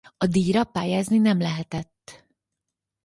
A díjra pályázni nem lehetett.